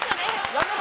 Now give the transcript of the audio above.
やめろ！